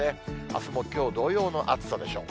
あすもきょう同様の暑さでしょう。